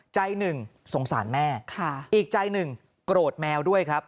ใจหนึ่งสงสารแม่อีกใจหนึ่งโกรธแมวด้วยครับ